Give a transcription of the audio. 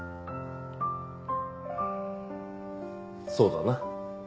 そうだな。